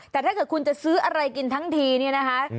แต่ถ้าเกิดคุณจะซื้ออะไรกินทั้งทีเนี่ยนะคะ